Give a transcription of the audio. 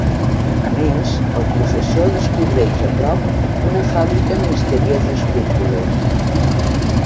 A més, el professor descobreix a prop una fàbrica amb misterioses cúpules.